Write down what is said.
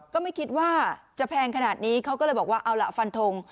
ก็ไม่คิดว่าจะแพงขนาดนี้เขาก็เลยบอกว่าเอาล่ะฟันทง